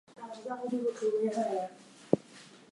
Singh was later sent to Puerto Rico to work on his in-ring skills.